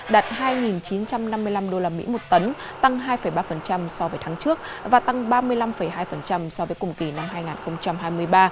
đạt hai chín trăm năm mươi năm usd một tấn tăng hai ba so với tháng trước và tăng ba mươi năm hai so với cùng kỳ năm hai nghìn hai mươi ba